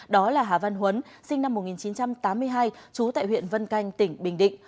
đó là hà văn huấn sinh năm một nghìn chín trăm tám mươi hai trú tại huyện vân canh tỉnh bình định